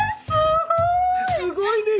すごーい！